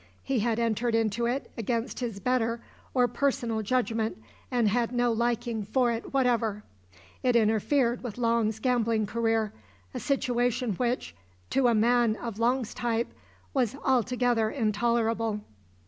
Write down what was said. He had entered into it against his better or personal judgment and had no liking for it whatever. It interfered with Long's gambling career, a situation which to a man of Long's type was altogether intolerable.